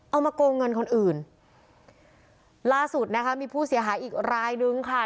มาโกงเงินคนอื่นล่าสุดนะคะมีผู้เสียหายอีกรายนึงค่ะ